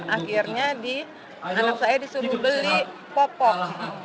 akhirnya anak saya disuruh beli popok